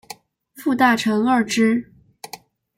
副大臣贰之。